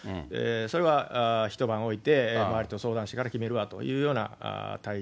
それは一晩置いて、周りと相談してから決めるわというような対策を。